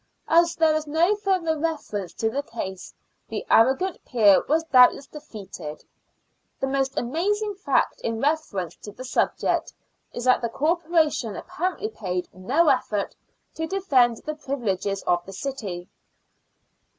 As there is no further reference to the case, the arrogant peer was doubt less defeated. The most amazing fact in reference to the subject is that the Corporation apparently made no effort to defend the privileges of the city.